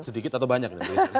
sedikit atau banyak